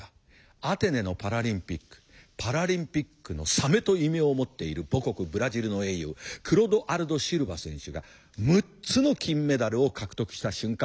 アテネのパラリンピック「パラリンピックの鮫」と異名を持っている母国ブラジルの英雄クロドアルド・シルバ選手が６つの金メダルを獲得した瞬間を見た。